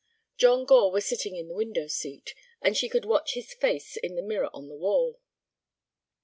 John Gore was sitting in the window seat, and she could watch his face in the mirror on the wall.